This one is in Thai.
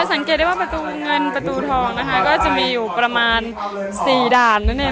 สังเกตได้ว่าประตูเงินประตูทองจะมีอยู่ประมาณ๔ด่าน